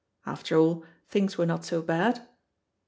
After all, things were not so bad.